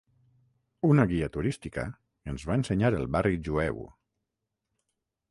Una guia turística ens va ensenyar el barri jueu.